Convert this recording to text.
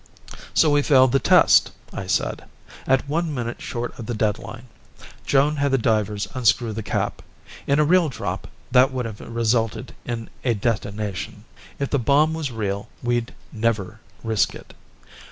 "So we failed the test," I said. "At one minute short of the deadline, Joan had the divers unscrew the cap. In a real drop that would have resulted in a detonation, if the bomb was real; we'd never risk it.